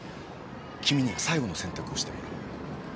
君には最後の選択をしてもらおう。